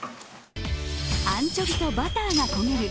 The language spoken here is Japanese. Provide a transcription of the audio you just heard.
アンチョビとバターが焦げる